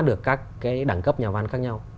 được các cái đẳng cấp nhà văn khác nhau